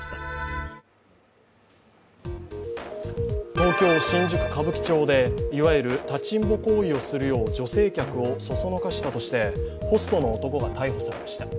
東京・新宿歌舞伎町でいわゆる立ちんぼ行為をするよう女性客をそそのかしたとして、ホストの男が逮捕されました。